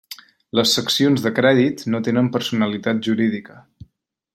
Les seccions de crèdit no tenen personalitat jurídica.